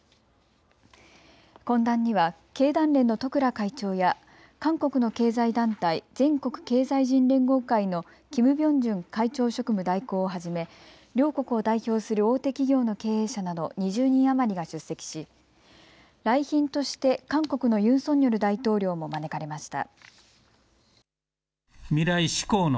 懇談には経団連の十倉会長や韓国の経済団体、全国経済人連合会のキム・ビョンジュン会長職務代行をはじめ両国を代表する大手企業の経営者など２０人余りが出席し来賓として韓国のユン・ソンニョル大統領も招かれました。